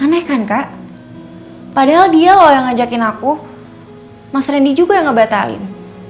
aneh kan kak padahal dia loh yang ngajakin aku mas randy juga yang ngebatalin